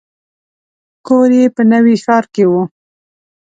کور یې په نوي ښار کې و.